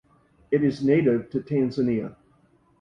It is native to Tanzania.